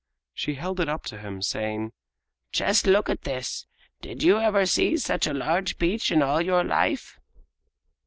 She held it up to him, saying: "Just look at this! Did you ever see such a large peach in all your life?"